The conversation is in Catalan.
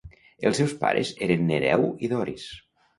Els seus pares eren Nereu i Doris.